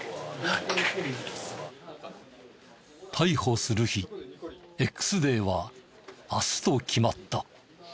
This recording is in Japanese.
逮捕する日Ｘデーは明日と決まった。